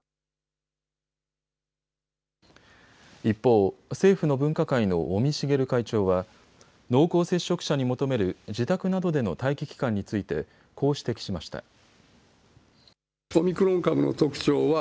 一方、政府の分科会の尾身茂会長は濃厚接触者に求める自宅などでの待機期間についてこう指摘しました。